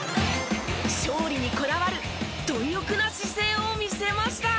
勝利にこだわる貪欲な姿勢を見せました！